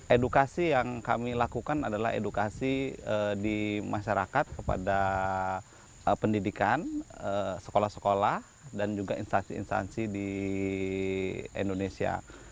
edukasi yang kami lakukan adalah edukasi di masyarakat kepada pendidikan sekolah sekolah dan juga instansi instansi di indonesia